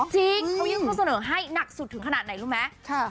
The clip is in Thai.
จริงเขายื่นข้อเสนอให้หนักสุดถึงขนาดไหนรู้ไหม